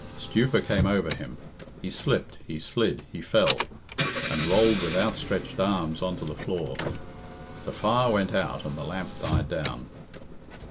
Stupor came over him. He slipped, he slid, he fell, and rolled with outstretched arms on to the floor. The fire went out and the lamp died down.